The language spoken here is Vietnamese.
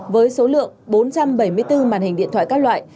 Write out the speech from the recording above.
với số lượng bốn trăm bảy mươi bốn màn hình điện thoại các loại